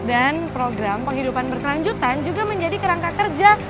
dan program penghidupan berkelanjutan juga menjadi kerangka kerja